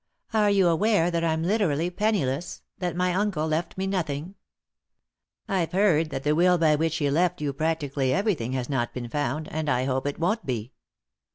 Are you aware that I'm literally penniless — that my uncle left me nothing ?" "I've heard that the will by which he left you practically everything has not been found, and I hope it won't be."